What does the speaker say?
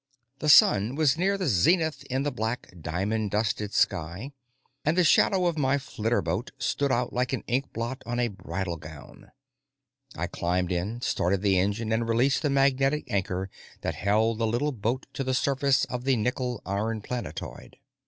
The sun was near the zenith in the black, diamond dusted sky, and the shadow of my flitterboat stood out like an inkblot on a bridal gown. I climbed in, started the engine, and released the magnetic anchor that held the little boat to the surface of the nickel iron planetoid.